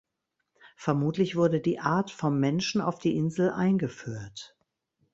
Vermutlich wurde die Art vom Menschen auf die Insel eingeführt.